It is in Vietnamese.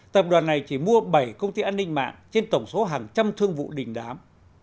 tập đoàn này chỉ mua bảy công ty an ninh mạng trên tổng số hàng trăm thương vụ đình đám